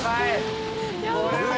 やばい！